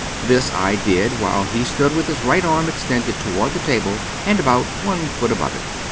This I did while he stood with his right arm extended toward the table and about one foot above it.